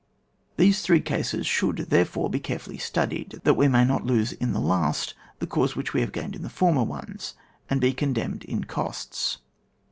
These three cases should therefore be carefully studied, that we may not lose in the last the cause which we have gained in the former ones, and be con demned in costs.